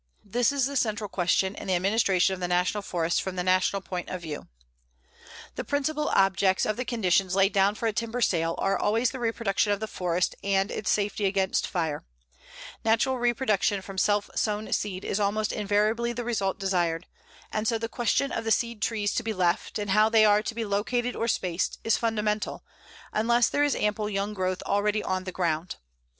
This is the central question in the administration of the National Forests from the national point of view. The principal objects of the conditions laid down for a timber sale are always the reproduction of the forest and its safety against fire. Natural reproduction from self sown seed is almost invariably the result desired; and so the question of the seed trees to be left, and how they are to be located or spaced, is fundamental, unless there is ample young growth already on the ground.